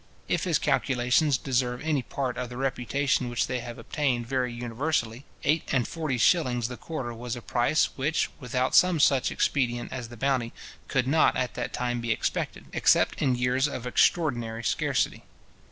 If his calculations deserve any part of the reputation which they have obtained very universally, eight and forty shillings the quarter was a price which, without some such expedient as the bounty, could not at that time be expected, except in years of extraordinary scarcity.